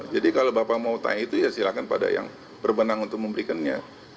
jadi kalau bapak mau tanya itu ya silahkan pada yang berbenang untuk memberikannya